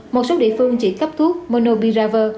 một số địa phương chỉ cấp thuốc monopiravir